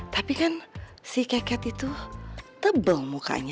tapi kan si keket itu tebal mukanya